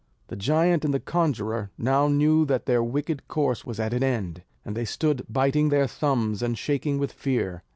The giant and the conjurer now knew that their wicked course was at an end, and they stood biting their thumbs and shaking with fear.